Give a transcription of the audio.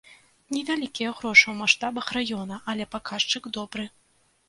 Невялікія грошы ў маштабах раёна, але паказчык добры.